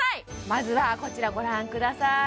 まずはこちらご覧ください